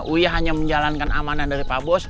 uya hanya menjalankan amanah dari pak bos